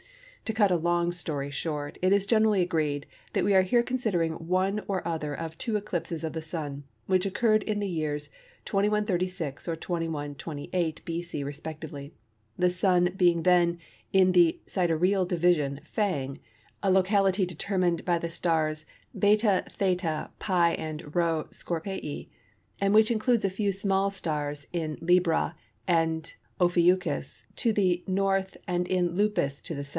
To cut a long story short, it is generally agreed that we are here considering one or other of two eclipses of the Sun which occurred in the years 2136 or 2128 B.C. respectively, the Sun being then in the sidereal division "Fang," a locality determined by the stars β, δ, π, and ρ Scorpii, and which includes a few small stars in Libra and Ophiuchus to the N. and in Lupus to the S.